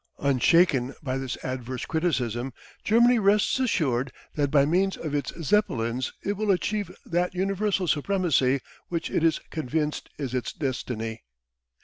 Unshaken by this adverse criticism, Germany rests assured that by means of its Zeppelins it will achieve that universal supremacy which it is convinced is its Destiny.